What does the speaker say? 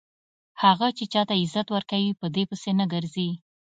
هغه چې چاته عزت ورکوي په دې پسې نه ګرځي.